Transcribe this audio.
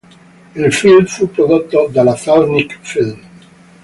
Il film fu prodotto dalla Zelnik-Film.